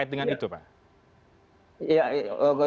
apa pandangan anda terhadap itu